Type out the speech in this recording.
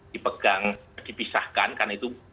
dibisahkan karena itu